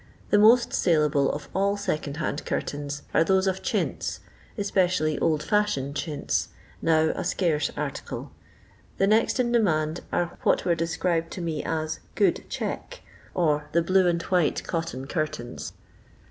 The most saleable of all second hand curtains are those of chints, especially old fashioned chintz, now a scarce article ; the next in demand are what were described to me as " good check," or the blue and white cotton curtains.